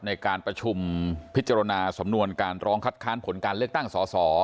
ในการประชุมพิจารณาสำนวนการร้องคัดค้านผลการเลือกตั้งสอสอ